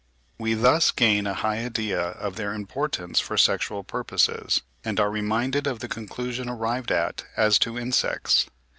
We thus gain a high idea of their importance for sexual purposes, and are reminded of the conclusion arrived at as to insects.